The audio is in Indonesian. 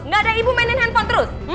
gak ada ibu mainin handphone terus